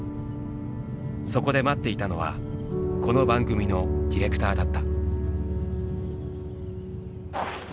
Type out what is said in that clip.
そこで待っていたのはこの番組のディレクターだった。